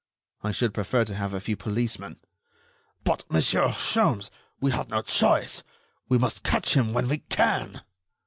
"I should prefer to have a few policemen." "But, Monsieur Sholmes, we have no choice. We must catch him when we can."